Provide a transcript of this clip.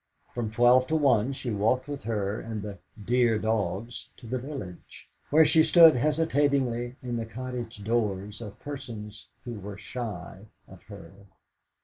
From twelve to one she walked with her and "the dear dogs" to the village, where she stood hesitatingly in the cottage doors of persons who were shy of her.